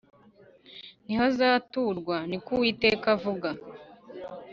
ntihazaturwa Ni ko Uwiteka avuga